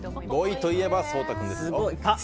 ５位といえば颯太君です。